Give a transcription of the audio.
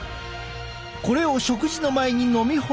これを食事の前に飲み干すこと。